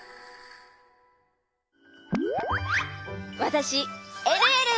わたしえるえる！